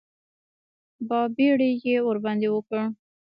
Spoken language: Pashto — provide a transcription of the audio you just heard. بابېړي یې ورباندې وکړ.